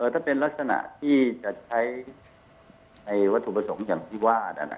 ถ้าเป็นลักษณะที่จะใช้ในวัตถุประสงค์อย่างที่ว่า